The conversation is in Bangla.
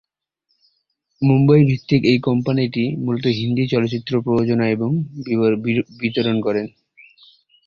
মুম্বই ভিত্তিক এই কোম্পানিটি মূলত হিন্দি চলচ্চিত্রের প্রযোজনা এবং বিতরণ করে।